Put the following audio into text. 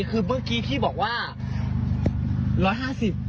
คือเมื่อกี้ที่บอกว่า๑๕๐บาท